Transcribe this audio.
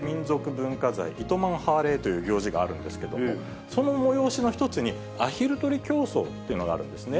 文化財、糸満ハーレーという行事があるんですけども、その催しの一つに、アヒル取り競争というのがあるんですね。